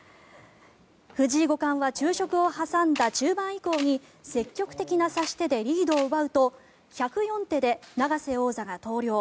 藤井五冠は昼食を挟んだ中盤以降に積極的な指し手でリードを奪うと１０４手で長瀬王座が投了。